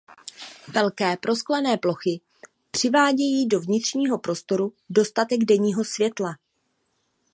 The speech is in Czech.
Velké prosklené plochy přivádějí do vnitřního prostoru dostatek denního světla.